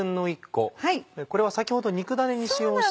これは先ほど肉だねに使用した。